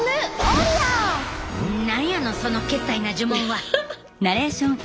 何やのそのけったいな呪文は。